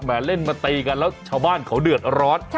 เล่นมาตีกันแล้วชาวบ้านเขาเดือดร้อน